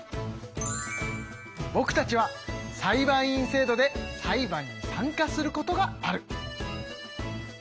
ぼくたちは裁判員制度で裁判に参加することがある。